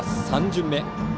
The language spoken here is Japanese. ３巡目。